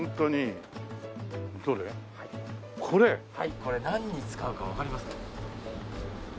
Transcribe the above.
これ何に使うかわかりますか？